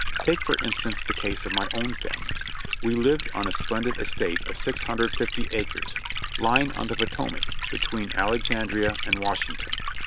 Take for instance the case of my own family. We lived on a splendid estate of 650 acres, lying on the Potomac, between Alexandria and Washington.